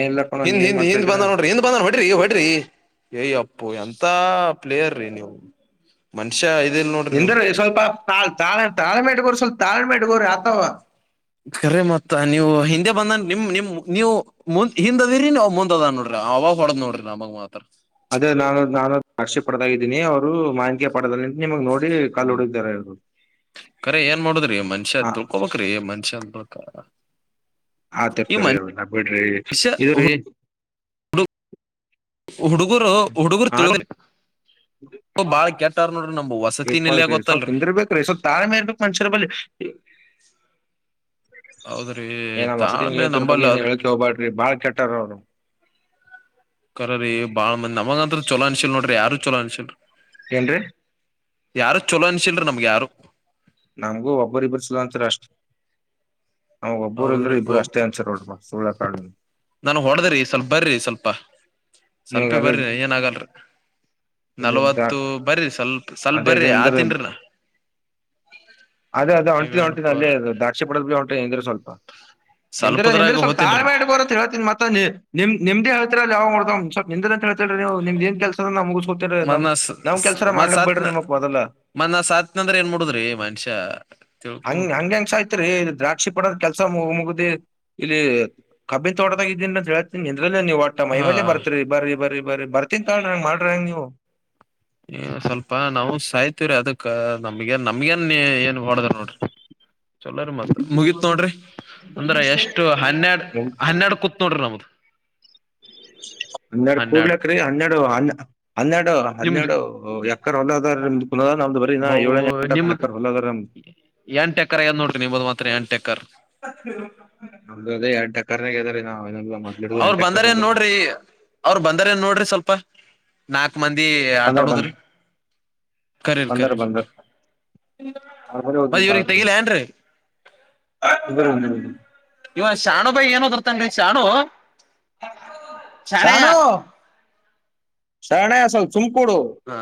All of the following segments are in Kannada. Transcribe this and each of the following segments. ಏನಿಲ್ಲ ಕಣೋ ನೀ ಹಿಂದ್ ಏನ್ ಹಿಂದ್ ಮಾಡ್ತಾ ಹಿಂದ್ ಇದೀರಾ ಬಂದನ್ ನೋಡ್ರಿ ಹಿಂದ್ ಬಂದ ಹೊಡ್ರಿ ಹೊಡ್ರಿ ಏಯ ಅಪ್ಪು ಎಂತ ಪ್ಲೇಯರ್ ನೀವು. ಮನುಷ್ಯ ಇದಿಲ್ ನೋಡ್ರಿ ನೀವು ನಿಂದ್ರ ಸ್ವಲ್ಪ ತಾಳ ತಾಳೆ ತಾಳ್ಮೆಟ್ಗೋರು ಸ್ವಲ್ಪ ತಾಳ್ಮೆಡ್ಗೋರು ಆತವ. ಖರಿ ಮತ್ತ ನೀವು ಹಿಂದೆ ಬಂದನ್ ನಿಮ್ ನಿಮ್ ನೀವು ಹಿಂದ್ ಹಿಂದದಿರಿ ನಾವ್ ಮುಂದದಾನ್ ನೋಡ್ರಿ ಆ ಅವಾಗ ಹೊಡದ್ ನೋಡ್ರಿ ನಮ್ಮಗ್ ಮಾತ್ರ. ಅದೇ ನಾನು ನಾನು ಸಾಕ್ಷಿ ಪಡೆದಾಗಿದ್ದೀನಿ ಅವರು ಮಾಹಿಕೆ ಪಡೆದಲ್ಲಿ ನಿಮಗ್ ನೋಡಿ ಕಾಲ್ ಪಿಚ್. ಹೊಡಿದ್ದಾರೆ ಇವರು ಕರೆ ಏನ್ ಮಾಡದ್ರಿ ಮನ್ಷ್ಯ ಹ ತಿುಳ್ಕೋಬೇಕ್ರೀ ಮನ್ಷ್ಯ ಅಂದಬಳಿಕ ಆ ತರ್ತರಿ ನಾ ಬಿಡ್ರಿ ಮನುಷ್ಯ ಇದು ರಿ. ಹುಡುಗರು ಹುಡುಗರು ಆ ತಿಳ ಬಾಳ ಕೆಟ್ಟಾರ ನೋಡ್ರಿ ನಮ ಹೊಸ ಇಪ್ಪಲ್ ಸ್ವಲ್ಪ್ ನಿಂದ್ರಬೇಕಿರಿ ಸ್ವಲ್ಪ್ ತಾಳ್ಮೆ ಇರ್ಬೇಕ್ ಮನ್ಷ್ಯರ ಬಲ್ಲಿ. ಹೌದ್ರಿ ಏನ ವಸತಿ ತಾಳ್ಮೆ ಬಗ್ಗೆ ಅದ್ರ ಬಗ್ಗೆ ನಂಬಲ್ಲ ಏನ ಅದ್ರಿ ಹೇಳೇಕ್ಕೆ ಹೋಗ್ಬಾರಡ್ರಿ ಬಾಳ್ ಕೆಟ್ಟ ಕೆಟ್ಟರ್ ಅವ್ರು. ಕರ್ರೀ ಬಾಳ್ ಮಂದ್ ನಮಗ ಅಂತ್ರ ಚಲೋ ಅನ್ಸಿಲ್ ನೋಡ್ರಿ ಯಾರು ಚಲೋ ಅನ್ಸಿಲ್ರಿ. ಏನ್ರೀ? ಯಾರು ಚಲೋ ಅನ್ಸಿಲ್ರಿ ನಮ್ಗೆ ಯಾರು. ನಮಗೂ ಒಬ್ಬರಿಬ್ಬರು ಚೊಲೊ ಅನ್ಸ್ಯಾರಿ ಅಷ್ಟ್. ನಂಗ್ ಒಬ್ಬರು ಇಲ್ಲ ಹೌದ್ರಿ ಇಬ್ರು ಅಷ್ಟೇ ಅನ್ಸರೋಡ ಸುಳ್ಳ ಯಾಕ್ ಹೇಳ್ಲಿ. ನಂಗ್ ಹೊಡೆಡದ್ರಿ ಸ್ವಲ್ಪ ಬರಿ ಸ್ವಲ್ಪ. ನಿಮ್ಗ ಸ್ವಲ್ಪೇ ಅದೇ ಬರಿ ಏನ ಆಗಲ್ರಿ ನಲ್ವತ್ತು ಅದೇ ಬರಿ ಸ್ವಲ್ಪ. ಸ್ವಲ್ಪ ಅದೇ ಬರ್ರಿ ನಿಂದ್ರ ಆತಿನ್ರಿ ನಾ. ಅದೇ ಅದ ಒಂಟಿದ್ ಒಂಟಿದ ನೀವೇನಪ ಅಲ್ಲೇ ಇರ್ರಿ [unintelligible] ಒಂಟ್ರರು ಸ್ವಲ್ಪ. ನಿಂದ್ರೆ ನಿಂದ್ರೆ ಸ್ವಲ್ಪದ್ರಾಗ ಸ್ವಲ್ಪ ಹೋತನ್ರಿ ತಾಳ್ಮೆ ಇಟಗೋರಿ ಅಂತ್ ಹೇಳ್ತಿನಿ ಮತ್ತ ನೀ ನಿಮ್ಮ್ದೇಳ್ತಿರಲ್ಲ ಯಾವ್ ಮಾಡೋ್ ಸ್ವಲ್ ನಿ ಅಂತ ಹೇತಿರಿ ನೀವುಮ್ದ ಏ ಕೆಲ್ಸ ಅ ಮುಗಿಸಕೋತರಿ್. ಮತ್ ನಾ ನಾಮ್ಮ ಕೆಲ್ಸರ ಮಾಡ್ಲಕ್ ಬಿಡ್ರಿ ನಿಮ್ಕ್ ಮೊದಲ್ಲ ಮನ್ನ ಸಾತ್ನಂದ್ರೆ ಏನ್ ಮೂಡುದ್ರಿ ಮನುಷ್ಯ. ಹಂಗ ತಿಳ್ಕೊಬೇಕ್ರಿ ಹಂಗ್ಯಂಗ್ ಸಾಯ್ತಿರಿ ಇಲ್ಲಿ ದ್ರಾಕ್ಷಿ ಪಡೋರ್ ಕೆಲ್ಸ ಮುಗ ಮುಗ್ದಿ ಇಲ್ಲಿ. ಕಬ್ಬಿನ್ ತೋಟದಾಗ ಇಡಿ ಅಂತ್ ಹೇಳತಿನಿ ನಿಂದ್ರಲ್ಲೇ ನೀವು ಒಟ್ಟ ಹಾ ಮೈಮೇಲೆ ಬರ್ತೀರಿ ಬರೀ. ಬರಿ ಬರಿ ಬರ್ತೀನ್ ತಾಳ್ರ ಹೆಂಗ ಮಾಡ್ರಿ ಹೆಂಗ್ ನೀವು. ಹ ಸ್ವಲ್ಪ ನಾವು ಸಾಯ್ತಿೀವ್ರೀ ಅದಕ್ ನಮ್ಗೆ ನಮ್ಗೇನ್ ಏನ್ ಹೊಡದ್ರು ನೋಡ್ರಿ. ಚಲೋರ ಮತ್ ಮುಗೀತ್ ನೋಡ್ರಿ. ಅಂದ್ರ ಎಷ್ಟು ಹನ್ನೆರಡು ಹನ್ನೆರಡು ಕೂತ್ ನೋಡ್ರಿ ನಮ್ದ. ಹನ್ನೆರಡು ಕೂಡ್ಲಕ್ಕ ರೀ ಹನ್ನೆರಡು ಹ ಹನ್ನೆರಡು ನಿಮ್ದು ಹನ್ನೆರಡು. ಓ ಎಕರ್ ಹೊಲದಮ್ದ ಕುನ ಅದ ನಮ್ದು ಬರಿ ಎಳೆನ್ ಏಂಟ ಎಕ್ಕರ್ ಹೊಲದ ಅದ ರಿ ನಮ್ದ್. ಎಂಟೆಕ್ಕರ ಏನ್ ನೋಡ್ರಿ ನಿಮ್ಮ್ದದು ಮಾತ್ರ ಎಂಟೆಕ್ಕರ್. ಅ ಅದೇ ಎರಡ್ ಟಕ್ಕರ್ನಾಗದಾರೆ ನಾವನೊ. ಅವ್ರು ಬಂದಾರೆನ್ ನೋಡ್ರಿ ಅವ್ರು ಬಂದಾರೆನ್ ನೋಡ್ರಿ ಸ್ವಲ್ಪ. ನಾಕ್ ಮಂದಿ ಬಂದರ್ ಬಂದ್ ಆಟೊದ್ರಿ. ಕರಿಲ್ ಬಂದರ್ ಕರಿಲ್ ಬಂದರ್ ಅವ್ರ ಹೋಗಿ [unintelligible] ತಗಿಲ ಏನ್ ರೀ. [unintelligible] ಇವ ಶಾಣು ಬೈ ಏನೋದ್ರುತಂನ್ಲೆ ಶಾಣು. ಶಾಣಯ್ಯ ಶಾಣು ಶರಣ ಸ್ವಲ್ಪ್ ಸುಮ್ಕೂಡು. ಹಾ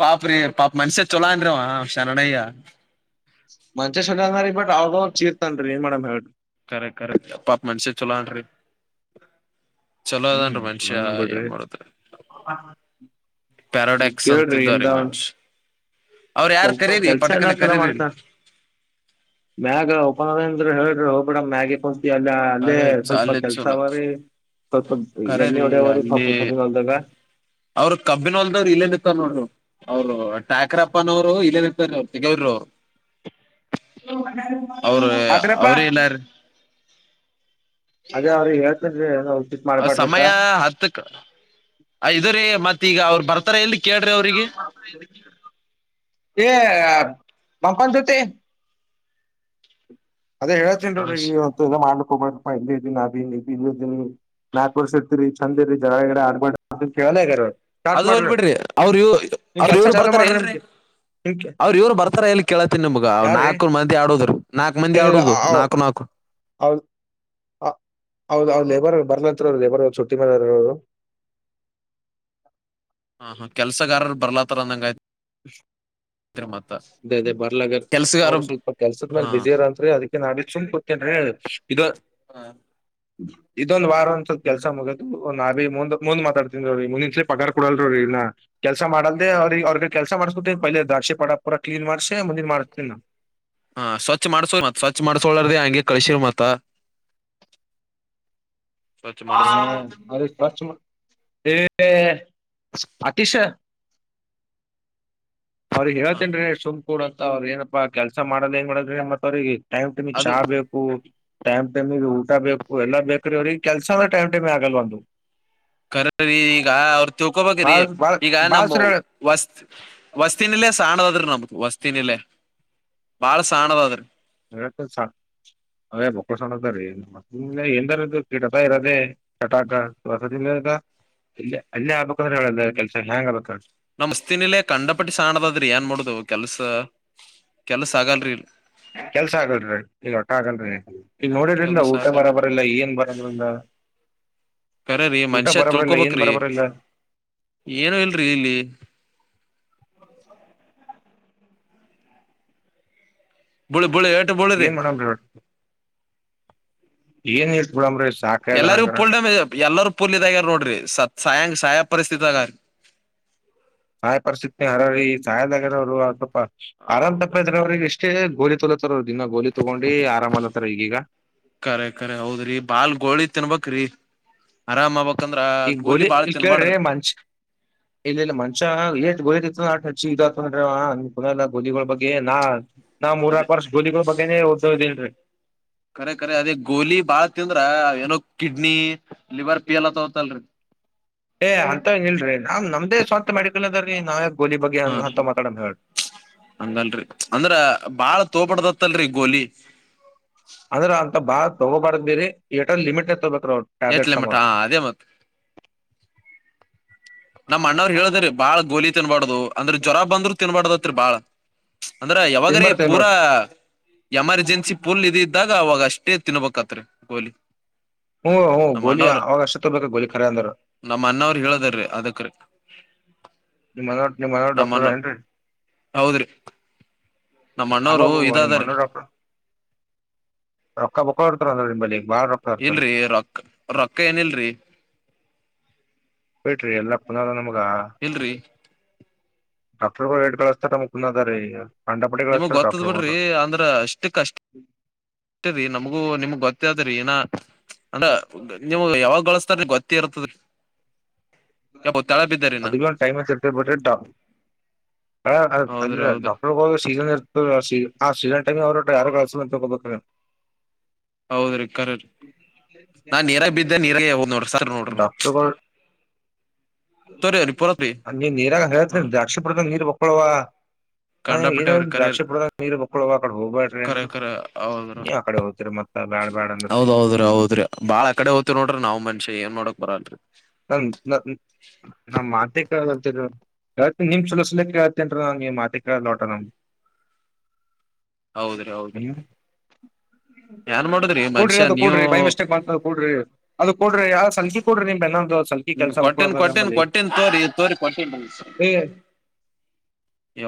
ಪಾಪ ರೀ ಪಾಪ ಮನುಷ್ಯ ಚೊಲೋ ಅಂದ್ರವ ಶರಣಯ್ಯ. ಮಂಷ್ಯ ಚಲೋ ಅದನಾರೀ ಬಟ್ ಅವ್ಗವಾಗ ಚೀರ್ತನ್ರಿ ಏನ್ ಮಾಡನ್ರಿ. ಕರೆಕ್ಟ್ ಕರೆಕ್ಟ್ ಪಾಪ್ ಮಂಷ್ಯ ಚಲೋ ಅನ್ರಿ. ಹ್ಮ್ ಚಲೋಅದನ್ರಿ ಮನ್ಷ್ಯಾ ಚಲೋನ ಬಿಡ್ರಿ ಎನ್ ಮಡೋದ್ರಿ. ಪ್ಯಾರಾಡಾಕ್ಸ್ ಕೇಳ್ರಿ ಅಂತಿದ್ದ ಇಂದ ರೀ ಮಂಚ್ ಅವ್ರು ಯಾರ ಕೆಲ್ಸ ಕರೀರಿ ಕೆಲ್ಸ ಪಟಕನ ಎಲ್ಲಾ ಚಲೋ ಕರೀರಿ. ಮಾಡ್ತಾನ ಮ್ಯಾಗ ಉಪನಾದ ಅಂದ್ರಿ ಹೇಳ್ರಿ ಹೋಗ್ಬಿಡ ಮ್ಯಾಗ. ಅಲ್ಲ ಅಲ್ಲೇ ಅದೇ ಸ್ವಲ್ಪ ಅಲ್ಲೇ ಕೆಲ್ಸ ಚಲೋ ಅವರಿ. [unintelligible] ಎಣ್ಣೆ ಒಡವ ರೀ ಸ್ವಲ್ಪ ಹೊಲದಾಗ. ಅವ್ರು ಕಬ್ಬಿನ್ ಹೊಲ್ದವ್ರಿ ಇಲ್ಲೇ ಬಿತ್ತರ ನೋಡ್ರಿ ಅವ್ರ್. ಅವರು ಟಾಕ್ರಪ್ಪನವರು ಇಲ್ಲಿನಪ್ಪಾನ ಅವರು ತಿಗವರು. ಹದ್ರಪ್ಪ. ಅವ್ರೇ ಇಲ್ಲಾರೀ ಅದೇ ಅವ್ರಿಗೆ ಹೇಳ್ತಂದ್ರಿ ನಾವ್. ಸಮಯ ಹತ್ತಕ್. ಐದಾರಿ ಮತ್ ಈಗ ಅವ್ರು ಬರ್ತಾರ್ ಇಲ್ಲ್ ಕೇಳ್ರಿ ಅವ್ರಿಗೆ. ಎ ಪೋಪ್ಕಾರ್ನ್ ಜೊತಿ. ಅದೇ ಹೇಳೇಳ್ತನ್ ನೋಡ್ರಿ ರಮೇಶ್ ಇವತ್ತ್ ಮಾಡ್ಕ್ ಹೋಗಬಬೇಕ ಇ ಇದ್ದಿನಿ ಅನ್ ಇಲ್ಲ ಇದೀನಿ. ನಾಕ್ ವರ್ಷ ಇರ್ತೀರಿ ಚಂದ ರೀ ಜಳಗಿಗ್ಳ ಆಡ್ಬಬೇಡ್ರಿ ಅಂದ್ರ್ ಕೇಳಲ್ಲ ಇವ್ರು. ಅದು ಹಲ್ ಬಿಡ್ರಿ ಅವ್ರ ಇವ ಅವ್ರ ಕೆಲ್ಸ ಇವ್ರು ಚಾಲೂ ಬರ್ತಾರ ಮಾಡ್ರಿ ಎನ್ರಿ. ನಿಮ್ಗೆ ನಿಮ್ಗೆ ಅವ್ರು ಇವ್ರು ಬರ್ತಾರ ಎಲ್ಲಿ ಕೇಳಳ್ತಿನನ್ ನಿಮ್ಗ್ ಯಾರ್ರೀ ನಾಲ್ಕು ಮಂದಿ ಆಡೋ ನಾಲ್ಕ್ ಮಂದಿ ಆಡೋದು ನಾಕ್ ನಾಕು. ಹೌದು. ಹ ಹೌದ್ ಲೇಬರ್ ಬರ್ಲತ್ ಅವರು ಲೇಬರ್ ಚುಟ್ಟಿ ಮಾಡರ ಅವ್ರು. ಹ ಹಾ ಕೆಲ್ಸಗಾರ ಬರ್ಲಾತ್ತಾರಂದಂಗಯ್ತರಿ ಮತ್ತ. ಅ ಅದೇ ಬರ್ಲಾಗರ್. ಕೆಲ್ಸಗಾರ ಅವರು ಸ್ವಲ್ಪ ಕೆಲ್ಸದ ಮೇಲೆ ಹಾ ಬಿಸಿ ಇರಂತ್ರಿ ಅದಕ್ಕೆ ನಾಡಿ ಸುಮ್ ಕೊತನ್ರೀ ಇದು. ಇದೊಂದ್ ವಾರ ಒ. ಸ್ವಲ್ ಕೆಲ್ಸ ಮುಗದು ನಾರೀ ಮುಂದ್ ಮುಂದ್ ಮಾತಾಡ್ತೀನ್ರಿ ರೀ ಮುಂದಿನ್ಸಲಿ ಪಗಾರ್ ಕೊಡಲ್ರಿ ಇಲ್ಲಾ. ಕೆಲಸ ಮಾಡಲ್ದೇ ಅವ್ರ ಅವ್ರ ಕೆಲಸ ಮಾಡ್ಸಿಬುಟ್ಟಿ ಪೈೇ ದಾರ್ಶಿ ಪಡ ಪರ ಕ್ಲೀನ್ ಮಾಡ್ಸಿ ಮುಂದಿನ್ ಮಾಡ್ತಿನೆ ನಾ. ಹಾ ಸ್ವಚ್ಛ ಮಾಡ್ಸೋ ಮತ್ ಸ್ವಚ್ ಮಾಡಸಕೋಳರ್ದೇ ಹಂಗೆ ಕಳಸಿವ್ ಮತ್ತಾ. ಸ್ವಚ್ಛ ಹಾ ಮಾಡಸ ಅ ಸ್ವಚ್ಛ ಅತಿಶ. ಅವ್ರಿಗೆ ಹೇಳ್ತೇನ್ ರೀ ಸುಮ್ ಕೂಡ ಅಂತ ಅವ್ರ ಏನಪ್ಪಾ ಕೆಲ್ಸ ಮಾಡಲ್ ಹೆಂಗ ಮಾಡದ್ರಿ ಮತ್ ಅವ್ರಿಗೆ. ಟೈಮ್ ಟುಮಿ ಚಾ ಅದು ಆಗ್ಬೇಕು. ಟೈಮ್ ಟೈಮ್ಗೆ ಊಟ ಬೇಕು ಎಲ್ಲ ಬೇಕ್ರೆ ಅವ್ರಿಗೆ ಕೆಲ್ಸ ಅಂದ್ರ ಟೈಮ್ ಟೈಮ್ ಆಗಲ್ವಾ ಒಂದು. ಕರಕರ್ರಿ ಈಗ ಅವ್ರ ತಿಕೊಬೇಕ್ರಿ ಬಾಳ್ ಬಾಳ್ ಈಗ ಬಾಳ್ ನಮ್ಮವು. ಸರಿ ವಸ್ತ್ ವಸ್ತಿನ ಇಲ್ಲೇ ಸಾಣದದ್ರೀ ನಮ್ದು ವಸ್ತಿನಲ್ಲೇ ಬಾಳ ಸಾಣ್ಣದದ್ರೀ. ಅ ಅ ಬೊಕ್ಕಣಸತ್ತ ರೀ. ಎಂದಾರು ಕೀಟತ ಇರೋದೆೇ ಚಟಾಕ ಹೊಸದಿಂದದ. ಇಲ್ಲ ಅಲ್ಲೇ ಅಬಬೇಕ ಹೇಳಲ್ಲ ಕೆಲ್ಸ ಹೆಂಗ್ ಅಬಕ. ನಮ್ ಮಸ್ತಿನಿಲ್ಲೆ ಕಂಡ ಪಟ್ಟಿ ಸಾಣದದ್ರಿ ಏನ್ ಮಾಡೋಡುದು ಕೆಲ್ಸ ಕೆಲ್ಸ ಆಗಲ್ರಿ. ಕೆಲ್ಸ ಆಗಲ್ರಿ ಈಗ ಹೊಟ್ಟ ಆಗಲ್ರರಿ. ಈಗ ನೋಡಿದ್ರಿಲ್ಲ ಕೆಲ್ಸ ಊಟ ಬರ ಆಗಲ್ರಿ ಬರಲ್ಲ ಏನ್ ಬರೋ ಬರಿ ಇಲ್ಲ. ಕರ್ರೀ ಮನ್ಷ್ಯ ಬರಬರಿಲ್ಲ ಏನ್ ತಿಳ್ಕೋಬ್ರಿ ಬರಬರಿಲ್ಲ ಏನು ಇಲ್ರಿ ಇಲ್ಲಿ. ಬುಳಿ ಬುಳಿ ಏಟು ಬುಳಿ ರೀ. ಏನ್ ಮಾಡಮ್ರಿ ಏನ್ [inaudible] ಹಬ ಬಿಡಂಬ್ರೆ [inaudible] ಎಲ್ಲರಿಗೂ ಪುಲ್ ಡಾಮೇ ಎಲ್ಲಾರೂ ಪುಲ್ ಇದಾಗ್ಯಾರ ನೋಡ್ರಿ ಸತ್ ಸಾಯಂ ಸಾಯಾ ಪರಿಸ್ಥಿತಿ ಆಗೀ ಸಾಯ ಪರಿಸ್ಥಿತಿ ಹರೋರಿ ಸಾಯ್ದಾಗರೋರು ಅ ಸ್ವಪ. ಆರಾಮ್ ತಪ್ಪ ಇದ್ರ ಅವ್ರಿಗೆ ಇಷ್ಟೇ ಗೋಲಿ ತೊಲತ್ತಾರ ಅವ ದಿನ ಗೋಲಿ ತಗೊಂಡಿ ಆರಾಮ್ ಅಲತ್ತಾರ ಈಗೀಗ. ಕರೆ ಕರೆ ಹೌದ್ರಿ ಬಾಲ್ ಗೋಳಿ ತಿನ್ಬಕ್ ರೀ ಆರಾಮ್ ಆಬಬೇಕಕ್ಂದ್ರ ಈಗ ಗೋಲಿ ಬಾಳ ಇಲ್ ಕೇಳ್ರಿ ತಿನ್ಬಾರಡ್ದ್ರಿ ಮನ್ಷ [inaudible] ಇಲ್ಲ ಇಲ್ಲ ಮನ್ಷ ಎಏತ್ ಗೋಲ ನಚ್ಚಿ ಇದತನ್ನ ಗೋಲಿಗಳ ಬಗ್ಗೆ ನಾ ನಾವು ಅದೇ ಮೂರಾಕ್ ವರ್ಷ ಗಲಿಗಳ ಬಗ್ಗೆೇ [inaudible] ಓದ್ ಇದೀನ್ೀ ಕರೆ ಕರೆ ಅದೇ ಗೋಲಿ ಬಾಳ ತಿಂದ್ರೆ ಏನೋ ಕಿಡ್ನಿ ಲಿವರ್ ಪೇಲ್ ಆಗತವಲ್ರಿ [inaudible] ಏ ಅಂತವ್ ಇಲ್ರಿ ನಾವ್ ನಮ್ದ ಸ್ವಂತ ಮೆಡಿಕಲ್ ಅದ ರೀ ನಾವ [inaudible] ಹಾ ಹಂಗಲ್ರಿ ಅಂದ್ರ ಬಾಳ ತೋಬಡ್ದತ್ತಲ್ರಿ ಗೋಲಿ. ಅಂದ್ರೆ ಅಂತ ಬಾಳ ತಗೋಬಾರ್ದಿರಿ ಏಟರ್ ಲಿಮಿಟ್ ತಗೋಬೇಕ್ರ ಅವ್ರು ಎಷ್ಟ ಲಿಮೀಟ ಹಾ ಅದೇಮತ್ತೆ. ನಮ್ಮಣ್ಣವ್ರು ಹೇಳದ್ರಿ ಬಾಳ ಗೋಲಿ ತಿನ್ಬಾರ್ದ ಅಂದ್ರ ಜ್ವರ ಬಂದ್ರರು ತಿನ್ಬಾರಡದತ್ರಿ ಬಾಳ ಅಂದ್ರ ಏನ್ ಯಾವಾಗ್ರೀ ಮಾಡ್ತ ಏನ್ ಪೂರಾ ಮಾಡ್ತ ಎಮರ್ಜೆನ್ಸಿ ಫುಲ್ ಇದ [inaudible] ಇದ್ದಾಗ ಅವಾಗ ಅಷ್ಟೇ ತಿನ್ಬೇಕತ್ರಿ ಗೋಲಿ ಹ್ಮ ಹ್ಮ್ ನಮ್ಮ ಗೋಲಿ ಅಣ್ಣವರು ಅವಾಗ ಅಷ್ಟ ತಗೋಬೇಕ ಗೋಲಿ ಖರೆ ಅಂದ್ರ ನಮ್ಮ ಅಣ್ಣವ್ರ ಹೇಳದಾರೀ ಅದಕ್ ನಿಮ್ ಮನೋರ್ ನಿಮ್ ಮನೋರ್ [inaudible] ಡಾಕ್ಟರ್ ನಮ್ಮಣ್ಣ ಏನ್ರಿ ಹೌದ್ರಿ ನಮ್ಮ ಅಣ್ಣವರು ಅಬಾಬಾಬಾ ನಿಮ್ ಇದಾದಾರೆ. ಮನೋರ್ ಡಾಕ್ಟರ್ ರೊಕ್ಕ ಬೊ ಕೊಡ್ತ [inaudible] ನಿ ಬ ಇಲ್ರರಿ ರೊಕ್ಕ ರೊಕ್ಕ ಏನ ಇಲ್ರರಿ [inaudible] ಬಿಟ್ರಿ ಎಲ್ಲಾ ಪುನಾರ ನಮ್ಗ ಇಲ್ಲರೀ ಡಾಕ್ಟರ್ ಬೇಡ್ [inaudible] ಕಳಿಸಸ್ತಾರ ಮುುಂದ ಅದ ರೀ [inaudible] ನಿಮಗ್ ಗಳಿಸ್ತಾರ ಗೊತ್ತದ್ ಬಿಡ್ರಿ ಡಾಕ್ಟರ್ಗಳು ಅಂದ್ರೆ ಅಷ್ಟ ಕಷ್ಟ. ಅಷ್ಟ ರೀ ನಮಗೂ ನಿಮ್ಗ್ ಗೊತ್ತಾದ್ರೀ ನ [inaudible] ಅಂದ್ರ ನೀಮ್ ಯಾವಾಗ್ ಗಳಸ್ತಾರೀ ಗೊತ್ತಿ ಇರ್ತದರಿ [inaudible] [inaudible] ಯಾವೋ ತಳ ಬಿದ್ದಾರಿನ ಅದ ಟೈಮ್ ಇರ್ತ [inaudible] ಬ್ರೆ ಹೌದ್ರಿ ಹೌದ್ರಿ ಡಾಕ್ಟರ್ ಹ ಸೀನ್ ಇ [inaudible] ಸೀನ್ ಟಮಿ ಅವ್ರರು ಯಾರು ಕಸ ಅಂತ ತ ಹಗೋಬೇಕ್ರ ಹೌದ್ರಿ ಕರ್ರೀ ನಾನ್ ನೀರಾಗ ಬಿದ್ದೆ ನೀರಾಗ ನೋಡ್ರಿ ಸರ್ ನೋಡ್ರಿ. [inaudible] ತ ತೋರಿ ಅವ್ರಿ ಪೂರತ್ರಿ ನಿರಾ [inaudible] ಹ ಹರ್ಷಪದ ನೀರು ಒಕ್ಕಳುವ ನಾ ಏನ್ ಕಂಡಾಪಟ್ಟೆ ಅವ್ರಿ ಹೇಳಿ ಕರೆ ದ್ರಾಕ್ಷಿ ಪಡದ ನೀರು ಬಕ್ಕಳ ಆ ಕಡೆ ಹೋಗಬೇಡ್ರಿ ಅಂದ್ರ ನೀ ಆ ಕಡೆ ಹೋಗ್ತರಿ ಮತ್ತ ಬ್ಯಾಡ್ ಬ್ಯಾಡ್ ಅಂದ್ರ ಹೌದ್ೌದ್ರೀ ಹೌದ್ರಿ ಬಾಳ ಕಡೆ ಹೋಗ್ತವಿ ನೋಡ್ರಿ ನಾವ್ ಮನ್ಷ್ಯ ಏನ್ ನೋಡಕ್ ಬರಲ್ರರಿ. ಹ್ಮ್ಮ್ಮ [inaudible] ನಮ್ ಮಾತೆ ಕಾ ಅಲ್ ಕೇಳ್ತ ನಿಮ್ ಸಲ ಸಲ ಕೇಳ್ತೇನ್ೀ ನಮ್ಗೆ ಮಾತೆ ಕಾ ನೋಟ ನಮ್ [inaudible] ಹೌದ್ರಿ ನೀ ಹೌದ್ರಿ ಏನ್ ಮಾಡುದ್ರಿ ಕೂಡ್ರಿ ಮನುಷ್ಯ ಅದು ನೀವು ಕೂಡ್ರಿ ಬೈ ಮಿಸ್ಟೇಕ್ ಮಾಡ್ತ ಕೂಡ್ರಿ ಅದು ಕೊಡ್ರರಿ ಯಾವ ಸಲ್ಫ ಕೊಡ್ರಿ ನಿಮ್ ಬೆನ್ನೊಂದುಲ್ ಕೊಟ್ಟನ್ ಕೊಟ್ಟೀನ್ ಕೊಟ್ಟೀನ್ ತೋರಿ ತೋರಿ ಕೊಟ್ಟನ್. ಏ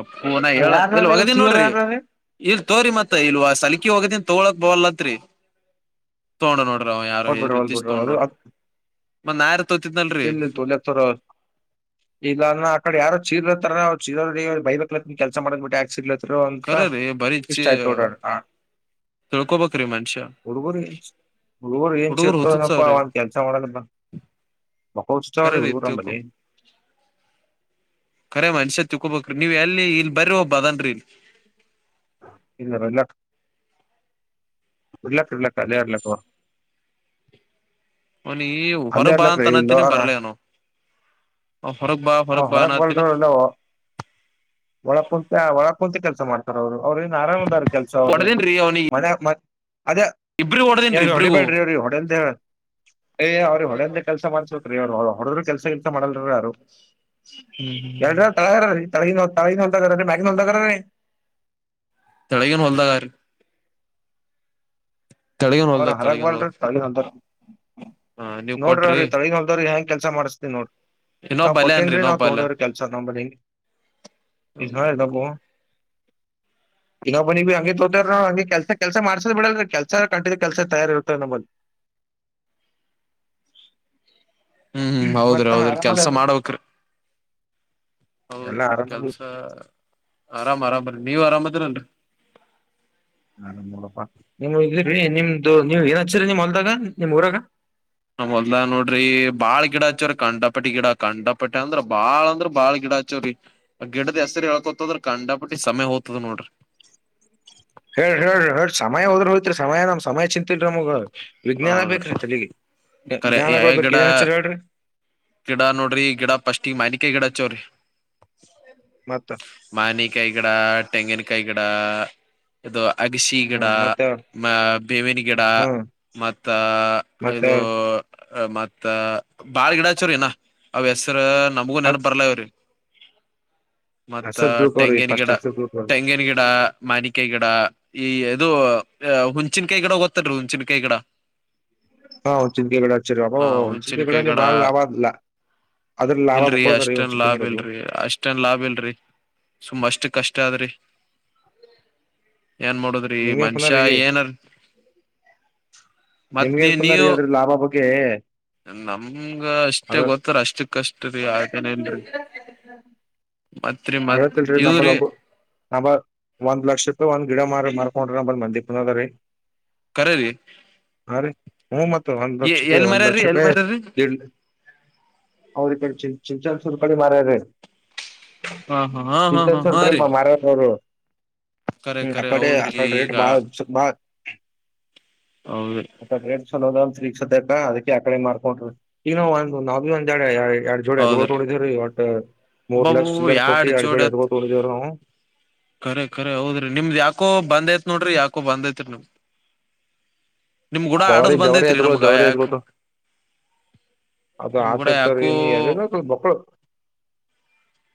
ಎಪ್ಪೂ ನ ಹೇಳ ಇಲ್ಲಿ ಯಾರ್ರೀ ಹೊಗದನ್ ಚೀರ ನೋಡ್ರಿ. ಯಾರ್ರೀ ಇಲ್ ತೋರಿ ಮತ್ತ ಇಲ್ ಸಲಕಿ ಹೋಗದನ್ ತಗಳಕ್ ಬವಲ್ಲತ್ರಿ. ತಗೊಂಡ ನೋಡ್ರಿ ಅವ ಯಾರು ಹೌದ್ ಈ ಬಿಡ್ರಿ ಹೌದ್ ರೀತೀಶ್ ಬಿಡ್ರಿ ತಗೊಂಡ್ ಅದು ನೋಡ್ರಿ ಮತ್ ನಾ ಇರ್ಲಾಕ್ ತಗೋಳಿ ತೋರಿ ಆವಾ. ಇಲ್ಲ ಅಾ ಆ ಕಡೆ ಯಾರೋ ಚೀರ್ತ್ತಾರ ಚೀರ ಬೈಬೇಕ್ ಅನ್ಲಾತೀನಿ ಕೆಲಸ ಮಾಡಕ್ ಬಿಟ್ಟ ಯಾಕ್ ಚಿರ್ಲಾತಿರಿ. ಅಂತ ಕರರಿ ಇಷ್ಟ ಆಯ್ತ ನೋಡ್ರಿ ಹಾ ತಳ್ಕೋ ಬೇಕ್ರೀ ಮನುಷ್ಯ. ಹುಡ್ಗೂರು ಏನ್ ಹುಡುಗರು ಚಿರ್ತಏನಪ್ಪಾ ಹುಚ್ಚುತ್ಸಾವ್ರಿ ಒಂದ ಕೆಲ್ಸ ಮಾಡದ ಮಕ್ಕ ಉತ್ಸವ್ರೀ ಕರರಿ ಹುಡ್ಗೂರು ತಿಳ್ಕೊ ನಂಬಲ್ಲಿ. ರೆ ಮನುಷ್ಯ ತಿಕೋಬೇಕ್ರಿ ನೀವ್ ಎಲ್ಲಿ ಇಲ್ ಬರ್ರಿ ಒಬ್ಬ ಅದನ್ರಿ ಇಲ್ಲಿ ಇ ಇಲ್ಲ ಇಡ್ಲಾಕ್ ಇಡ್ಲಕ್ಕ ಅಲ್ಲಯ ಇಡ್ಲಕ್ಕ. ಅವನಿಗಿ ಅಲ್ಲೇ ಹೊರಗ್ ಬಾ ಇರ್ಲಕ್ ರೀ ಅಂತ ಇಲ್ಲಿ ಅನತಿನಿ ಅವರ ಬರ್ಲಗೇನ್ಅವನು, ಹೊರಗ್ ಬಾ. ಹ ಹೊರಗ್ ಬಾ ಹೊರಕ್ ಅನ್ನತೀನಿ ಬಲ್ಲ್ಲ ಒಳಗ್ ಕುೂಂತ ಒಳ ಕುೂಂತ ಕೆಲ್ಸ ಮಾಡ. ಅವರು ಅವರೆನ್ ಆರಾಮ್ ಆದರಿ ಕೆಲಸ ಅವ್ದ ಹೊಡದೇನ್ರಿ ಅವ್ನಿಗೆ ಮನೆ ಮ ಅದೇ ಇಬ್ರಿಗ್ ಎ ಹೊಡದೇನ್ರಿ ಇಬ್ರಿಗೂ ಹೊಡಿಬ್ಯಾಡ್ರಿ ಅವ್ರೀ ಹೊಡೆೆಲ್ಂತ ಹೇಳ ಏ್ ಅವ್ರ ಹೊಡಂದ ಕೆಲ್ಸ ಮಾಡಸತ್ೀ ಅವ್ ಹೊಡದ್ರರು ಕೆಲ್ಸ ಕೆಲ್ಸ ಮಾಡಲ್ರರಿ ಅವಾರಾರು ಎಲ್ ತಳಗಾರೀ ತಳಿ ತಳಿ ಹೊಲದಾಗ್ರೀ ಮ್ಯಗಿನ ಹೊಲ್ದಾಗರಿರೀ ತಳಗಿನನ್ ಹೊಲ್ದಾಗಾರ. ತೆಳಗಿನ ಅವ್ರ ಹೊಲ್ದ ಹರಗ್ ತೆಳಗಿನ ಬಲ್ರಿ ಹೊಲ್ದ ತಳಿ ಹೊದ ಹ ನೀವ್ ನೋಡ್ರಿ ಕೊಟ್ರಿ ಅವ್ರಿ ತಳಿ ಹೊದವ್ರಿ ಹೆಂಗ ಕೆಲ್ಸ ಮಾಡಿಸ್ತಿನ್ ನೋಡ್ರಿ ಇನ್ನೊಬ್ಬ ಕೊಟ್ಟೇನ್ ಅಲ್ಲೇನ್ರಿ ರಿ ನಾವ್ ಇನ್ನೊಬ್ಬ ಅಲ್ಲೇನ್ ತೋಗಿಂಡಿವ್ರಿ ಕೆಲ್ಸ ಸತ್ತಂಬಗೆ ಇ ಎಲ್ಲ ಪ ಇನ್ನೋಬಿನ್ ಬಿ ಹಂಗೆ ತೋತಾರ ಹಂಗೆ ಕೆಲ್ಸ ಕೆಲ್ಸ ಮಾಡ್ಸೋ್ ಬಿಡಲ್ ರಿ ಕೆಲ್ಸ ಕಂಟಿನ್ಯೂ ಕೆಲಸ ತಯಾರಿ ಇರ್ತದೆ ನಮ್ಮಲ್ಲಿ ಹ್ಮ್ ಹೌದ್ರಿ ಮತ್ತ ಹೌದ್ರಿ ಕೆಲ್ಸ ಆರಾಮದ ಮಾಡಬೇಕ್ರಿ. ಹೌದ ರಿ ಎಲ್ಲಾ ಆರಾಮ ಕೆಲ್ಸ ಆರಾಮ್ ಆರಾಮನ್ ನೀವ್ ಆರಾಮ್ ಅದಿರಾಲ್ರಿ. ಆ್ ನೋಡಪ್ಪಾ ನೀವು್ ಇದಿರಿ ನಿಮ್ದು ನೀವ್ ಏನ್ ಹಚ್ಚಿರಿ ನಿಮ್ ಹೊಲ್ದಾಗ ನಿಮ್ ಊರಾಗ. ನಮ್ ಹೊಲ್ದಗ್ ನೋಡ್ರಿ ಬಾಳ ಗಿಡಾಹಚ್ಚಿವ್ರಿ ಕಂಡಾಪಟ್ಟಿ ಗಿಡಾ. ಕಂಡಪಟ್ಟೆ ಅಂದ್ರ ಬಾಳ ಅಂದ್ರ ಬಾಳ್ ಗಿಡಾಚೋರಿ. ಗಿಡದ ಹೆಸರಿ ಹೇಳ್ಕೋತಹೊದ್ರ ಕಂಡಾಪಟಿ ಸಮಯ ಹೋಗ್ದ ನೋಡ್ರಿ. ಹೇಳಿ ಹೇಳ್ರಿ ಹೇಳಿ ಸಮಯೋದ್ರ ಹೋಯತ್ರಿ ಸಮಯ ನಮ್ ಸಮಯ ಚಿಂತಿಲ್ರಿ ನಮಗ. ವಿಜ್ಞಾನ ಹೌದ್ರಿ ಬೇಕ್ರೀ ತಲಿಗಿ ಕರೆ ಜ್ಞಾನಗಳ್ ಯಾವ್ಯಾವ ಬಗ್ಗೆ ಗಿಡ ಇನಂಚೂರ್ ಹೇಳ್ರಿ. ಗಿಡ ನೋಡ್ರಿ ಗಿಡ ಫಸ್ಟ್ ಈ ಮನಿಕಾಯಿ ಗಿಡ ಹಚ್ಚಿವ್ರಿ. ಮತ್ತ ಮಾನಿಕೈ ಗಿಡ ತೆಂಗಿನಕಾಯ ಗಿಡ. ಇದು ಅಗಸಿ ಹ್ಮ ಗಿಡ ಮತ್ತೆ ಬೇವಿನಿ ಗಿಡ ಹ್ಮ್ ಮತ್ತ ಮತ್ತೆ ಇದು ಮತ್ತ ಬಾಳ ಗಿಡ ಆವಾ ಹೆಸರು ನಮಗೂ ಮತ್ ನೆನಪ್ ಬರಲ್ಲಗ್ಯವ್ರಿ. ಮತ್ತ ಹೆಸರು ತಿಳ್ಕೋರಿ ತೆಂಗನ್ ಫಸ್ಟ್ ಗಿಡ ಹೆಸರು ತಿಳ್ಕೋರಿ ತೆಂಗನ್ ಗಿಡ ಮನಿಕಾಯಿ ಗಿಡ ಈ ಅದು ಹುಂಚನ್ ಕಾಯಿ ಗಿಡ ಗೊತ್ತೆನ್ರೀ ಹುಂಚನ್ ಕಾಯಿ ಗಿಡ? ಹಾ ಹುಂಚಿನ್ಕಾಯಿ ಗಿಡ ಹಚ್ಚರ್ ಅ ಹಾ ಬಾಬಬ ಹುಂಚಿನಕಾಯಿ ಹುಣ್ಚಿನ್ಕಾಯಿ ಗಿಡ ಬಾಳ ಲಾಬ್ ಆತದ್ ಅಲ. ಅದ್ರ ಲಭ [unintelligible] ಹುಂಚ್ತಾಕಾಯಿ ಗಿಡದ್ಧು. ಅಷ್ಟನ್ ಲಾಭ ಇಲ್ರಿ ಸುಮ ಅಷ್ಟ ಕಷ್ಟ ಆದದ್ರಿ ಏನ್ ಮಾಡುದ್ರಿ? ರಿ ನಿಮ್ಗೇನ್ ಮನುಷಾ ಕುಂದಾರಿ ಏನ ಮತ್ ನೀ ನಿಮ್ಗೇನ್ ಕುಂದಾರಿ ನೀವು ಅದ್ರ ಲಾಭ ಬಗ್ಗೆ ನಮಗ [unintelligible] ಮಷ್ಟೆ ಅದ ಗೊತ್ತರ ಅಷ್ಟಕ್ ಕಷ್ಟ ರೀ ಆತನೇನ್ರಿ ಮತ್. ಹಗೆತಿಲ್ರಿ ನಮ್ಮದು ಇವ್ರಿ ಒಂದು. ನ. [unintelligible] ಒಂದ್ ಲಕ್ಷ ರೂಪಾಯಿ ಒಂದ ಗಿಡ ಮರ ಮಾರ್ಕೊಂಡು. [unintelligible] ನ್ ಮಂದಿ ಪುನದ ರೀ ಕರೆ ರ್ರೀ. ಹಾ ರೀ ಹೂ ಮತ್ತೆ ಒಂದ್ ಲಕ್ಷ ರೂಪಾಯಿ ಎಲ್ ಒಂದ್ ಮರ್ಯಾರಿ ಲಕ್ಷ ಎಲ್ ರೂಪಾಯಿ. ಮರ್ಯಾರಿ [unintelligible] ದಡ್ ಲ. ಅವ್ರ ಈ ಕಡೆ ಚಿನ್ಚ ಸುರ್ [unintelligible] ಕಡೆ ಮಾರಾಯೇರೆ. ಹಾ ಹಾ. ಹಾ ಚತ ಹಾ ಚೋರ್ ಹಾ ರೀ ಪ್ರೇಮ ಮಾರ ಅವರು ಕರೆ ಹ್ಮ. [unintelligible] ಕರೆ ಹೌದ್ರಿ ಹಾಕಡೆ ರೇಟ್ ಈಗ ಬಾಳ. ಹೌದ್ರಿ. ಸ್ವಲ್ಪ ರೇಟ್ ಚೊಲೋ ಇದಾವ ಅಂತಾ ಈಗ್ ಸದ್ಯಕ, ಅದಕ್ಕೆ ಆಕಡೆ ಮಾಡ್ಕೊಂಡ್ರವಿ ಈಗ ಒಂದ್. [unintelligible] ನಾವಿ ಒಂದ್ ಎ ಜೋಡಿ ಎತ್ತುಗಳು ಹೌದ್ರಿ ತೊಗೊಂಡಿದ್ವಿ ರೀ ಒಟ್ ಮೂರ್ ಲಕ್ಷ. ಒಬ್ಬೊಬ್ಬ [unintelligible] ಇರ್ ಕೊಟ್ಟಿ ಎರಡ್ ಎರಡು ಜೋಡ್ ಎತ್ತುಗಳು ತೊಗೊಂಡಿದ್ವಿ ನಾವು. ಕರೆ ಕರೆ ಹೌದ್ರಿ ನಿಮ್ದ್ ಯಾಕೋ ಬಂದ ಐತಿ ನೋಡ್ರಿ ಯಾಕೋ ಬಂದ ಐತಿ ರೀ. [unintelligible] ನಿಮ್ ನಿಮ್ ಗೂಡ ಜವಾರಿ ಆಡದ್ ಜವಾರಿ ಬಂದೈತ್ರಿ ಎತ್ತುಗಳು ನಮ್ಗ ಜವಾರಿ ಯಾಕ ಎತ್ತುಗುಳು. ಅದು ನಿಮ್ ಗೂಡ ಹಚರ್ತ [unintelligible] ಯಾಕೋ ಏನು ಅದು. ಮಕ್ಳು ಮಕ್ಳು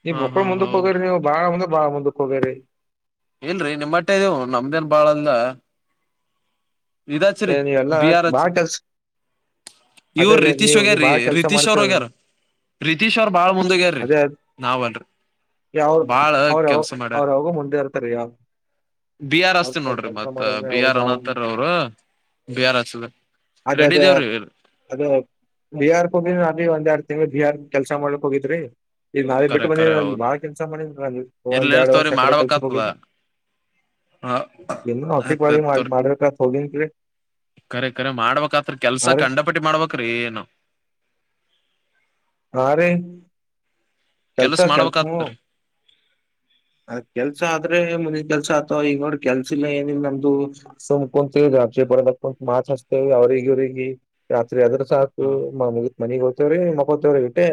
ಈ ಹಾ ಹಾ ಮಕ್ಕಳು ಮುಂದಕ್ ಹೌದ್ರಿ ಹೋಗ್ಯಾರಿ ನೀವು ಬಾಳ ಮುಂದುಕು ಅಂದ್ರೆ ಬಾಳ ಮುಂದಕ್ ಹೋಗ್ಯಾರಿ. ಇಲ್ರರಿ ನಿಮ್ಮಷ್ಟೇ ಇದಾವು ನಮ್ದೇನ್ ಬಾಳ ಅಲ್ಲಾ. ಇದು ಹಚ್ಚರಿ ನೀವೆಲ್ಲಾ ಬಿ ಆರ್ ಹೆಚ್. ಬಾಳ ಕೆಲ್ಸ ಅದೇ ಇವ್ರು ರಿತೀಶ್ ನೀವು ಹೋಗ್ಯಾರ ನೀವ್ ಬಾಳ ಕೆಲ್ಸ ರಿತೀಶ್ ಅವರು ಮಾಡ್ತಿರ ಹೋಗ್ಯಾರ. ರೀತಿಶ್ ಅವರು ಬಾಳ್ ಮುಂದ್ ಹೋಗ್ಯಾರಿ ನಾವಲ್ರಿ. ಯಾವಾಗ್ ಬಾಳ ಅವ್ರ ಯಾವ ಕೆಲ್ಸ ಮಾಡ್ಯಾರ ಅವ್ರ ಯಾವಾಗು ಮುಂದೆ ಇರ್ತಾರೆ. [unintelligible] ಬಿ ಆರ್ ಹಚ್ಚಿತಿನಿ ನೋಡ್ರಿ ಕೆಲ್ಸ ಮತ್ ಮಾಡದ್ರೆ ಬಿ ಆರ್ ಅನಕಥರ ಅವರು ಬಿ ಆರ್ ಹಚ್ಚದೆ. ಅದೇ ಅದೇ. ಅದ ಬಿಹಾರ್ಕ್ ಹೋಗಿದ್ದೆ ಅದೇ ಒಂದ್ ಎರಡು ತಿಂಗಳು ಬಿಹಾರ್ ಕೆಲ್ಸ ಮಾಡ್ಲಕ್ ಹೋಗಿದ್ರಿ. ಈಗ ನಾವೇ ಬಿಟ್ಟು ಕರೆ ಬಂದಿದೆ ಕರೆ ನನ್ಗೆ ಹೌದು ಬಾಳ ಕೆಲಸ ಮಾಡಿದ್ ನನ್ ಇರ್ಲಿ ಒಂದ ಇರ್ ಎರಡು ವರ್ಷ ತೋರಿ ಆ ಕಡೆ ಕೆಲ್ಸಕ್ ಮಾಡ್ಬೇಕತದ ಹೋಗಿದ್ದ. ಹ ಎಲ್ಲಾ ಹೊಟ್ಟಿಕ್ ಬಾಳಿವಿ ಆಯ್ತತ್ ಮಾಡ ತೋರಿ ಮಾಡ್ಬೇಕತ್ ಹೋಗಿನ್ರಿ. ಕರೆ ಕರೆ ಮಾಡ್ಬೇಕಾತ್ರಿ ಹಾ ಕೆಲ್ಸ ರೀ ಕಂಡಪಟ್ಟಿ ಮಾಡ್ಬೇಕ್ರಿ ಏನು. ಹಾ ರೀ. ಕೆಲ್ಸ ಕೆಲ್ಸ ಹೂ. [unintelligible] ಅದೇ ಕೆಲ್ಸ ಆದ್ರೆ ಮುಂದಿನ ಕೆಲ್ಸ ಆಗ್ತಾವ ಈಗ ನೋಡ ಕೆಲ್ಸಿಲ್ಲ ಏನಿಲ್ಲ ನಂದು. ಸುಮ್ ಕುಂತಿವಿ ರಾತ್ರಿ ಬರ್ಬೇಕು ಮಾತ್ ಅಚ್ತೀವಿ ಅವರಿಗಿ ಇವರಿಗಿ ರಾತ್ರಿ ಆದ್ರಾ ಸಾಕು. ಮುಗಿತ್ ಮನಿಗ್ ಹೋಗ್ತಿವ್ರಿ ಮಕ್ಕೋತೇವ್ರಿ ಅಟೆ.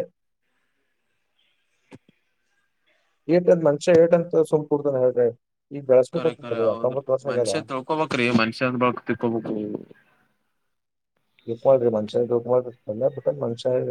[inaudible] ಏಟ್ ಅಂತ ಮನುಷ್ಯ ಏಟ್ ಅಂತ ಸಮ್ ಕುರ್ತನಾ ಹೇಳ್ರಿ, ಈಗ ಬೆಳೆಸ್ಬೆಕ್ ಆಗುತ್ ರೀ ಅತ್ತೊಂಬತ್ತು ವರ್ಷ ಆಗ್ಯದ. ತಿಳ್ಕೊಬೇಬೇಕು ರ್ರೀ ಮನುಷ್ಯ ಅಂದ ಬಳಿಕ ತಿಕ್ಕೋಬೇಕು. ತಿಳ್ಕೊಲ್ಡ್ರಿ ಮನುಷ್ಯ [unintelligible] ಮಾಡ ಬಿಟ್ಟ ಮನುಷ್ಯ.